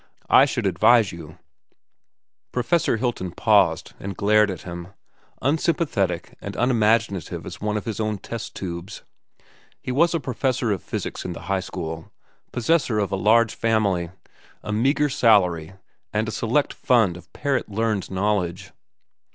I should advise you—" Professor Hilton paused and glared at him, unsympathetic and unimaginative as one of his own test tubes. He was professor of physics in the high school, possessor of a large family, a meagre salary, and a select fund of parrot learned knowledge.